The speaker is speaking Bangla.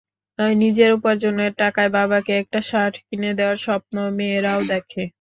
নিজের উপার্জনের টাকায় বাবাকে একটা শার্ট কিনে দেওয়ার স্বপ্ন মেয়েরাও দেখে!